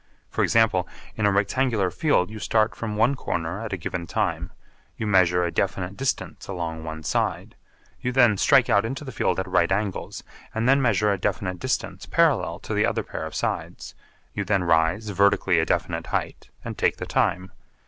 For example, in a rectangular field you start from one corner at a given time, you measure a definite distance along one side, you then strike out into the field at right angles, and then measure a definite distance parallel to the other pair of sides, you then rise vertically a definite height and take the time.